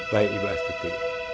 baik ibu astuti